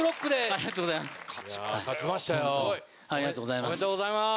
おめでとうございます。